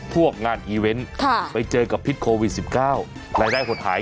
พวกงานอีเวนต์ไปเจอกับพิษโควิด๑๙